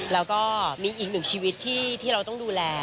แล้วก็มีอีกหนึ่งชีวิตที่เราต้องดูแล